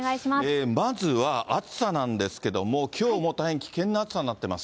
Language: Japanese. まずは暑さなんですけども、きょうも大変危険な暑さになっています。